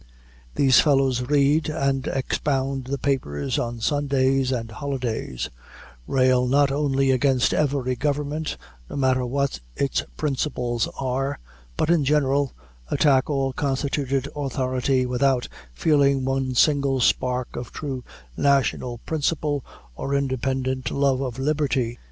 These fellows read and expound the papers on Sundays and holidays; rail not only against every government, no matter what its principles are, but, in general, attack all constituted authority, without feeling one single spark of true national principle, or independent love of liberty.